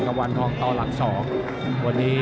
กับวันทองตอหลับที่๒